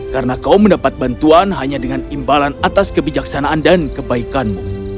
karena kau mendapat bantuan hanya dengan imbalan atas kebijaksanaan dan kebaikanmu